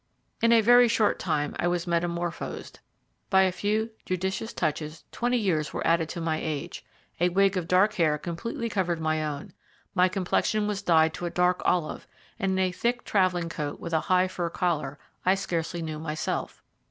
In a very short time I was metamorphozed. By a few judicious touches twenty years were added to my age, a wig of dark hair completely covered my own, my complexion was dyed to a dark olive, and in a thick travelling cloak, with a high fur collar, I scarcely knew myself.